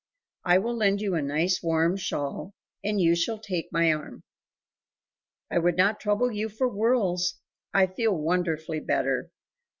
I will lend you a nice warm shawl, and you shall take my arm." "I would not trouble you for worlds; I feel wonderfully better.